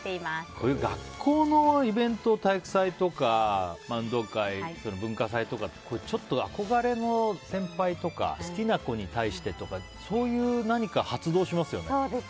こういう学校のイベント体育祭とか、運動会文化祭とかってちょっと憧れの先輩とか好きな子に対してとかそういう何か発動しますよね。